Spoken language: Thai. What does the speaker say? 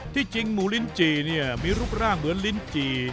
ที่จริงหมูลินจีมีรูปร่างเหมือนลินจี